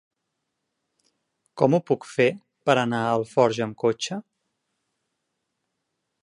Com ho puc fer per anar a Alforja amb cotxe?